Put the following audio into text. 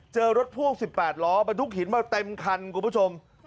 เจอรถพ่วง๑๘ล้อบรรทุกหินมาเต็มคันคุณผู้ชม